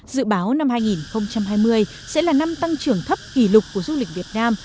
dự báo năm hai nghìn hai mươi sẽ là năm tăng trưởng thấp kỷ lục của du lịch việt nam